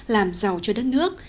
làm giàu cho đất nước